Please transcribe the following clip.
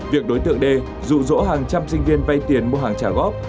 việc đối tượng đê rụ rỗ hàng trăm sinh viên vay tiền mua hàng trả góp